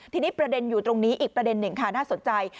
ทีนี้ประเด็นอยู่ตรงนี้อีกประเด็นหนึ่งค่ะน่าสนใจ